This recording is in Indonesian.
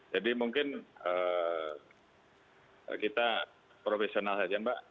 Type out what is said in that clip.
jadi mungkin kita profesional saja mbak